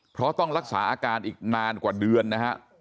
เพราะต้องรักษาอาการอีกนานกว่าเดือนนะฮะ